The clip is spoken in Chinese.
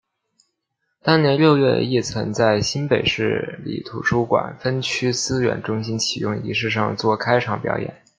当年六月亦曾在新北市立图书馆分区资源中心启用仪式上做开场表演。